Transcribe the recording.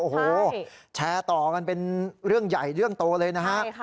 โอ้โหแชร์ต่อกันเป็นเรื่องใหญ่เรื่องโตเลยนะฮะ